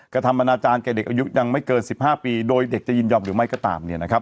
กระทำกะนาจารณ์ไกล่เด็กอายุยังไม่เกิน๑๕ปีโดยเด็กจะยินยอมหรือไม่ก็ตาม